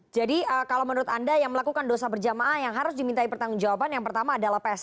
jadi kalau menurut anda yang melakukan dosa berjamaah yang harus dimintai bertanggung jawaban yang pertama adalah perhatian